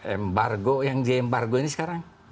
embargo yang j embargo ini sekarang